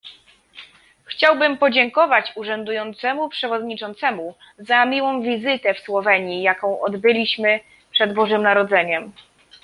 Chciałbym podziękować urzędującemu przewodniczącemu za miłą wizytę w Słowenii, jaką odbyliśmy przed Bożym Narodzeniem